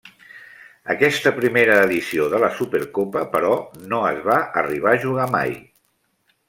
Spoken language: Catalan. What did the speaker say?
Aquesta primera edició de la Supercopa, però, no es va arribar a jugar mai.